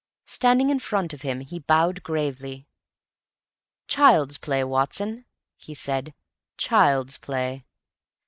Standing in front of him, he bowed gravely. "Child's play, Watson," he said; "child's play."